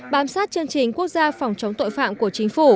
bám sát chương trình quốc gia phòng chống tội phạm của chính phủ